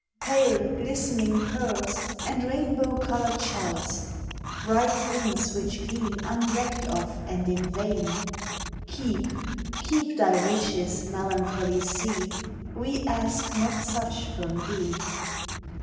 — Pale glistening pearls and rainbow colored shells, Bright things which gleam unrecked of and in vain !— Keep, keep thy riches, melancholy sea! We ask not such from thee.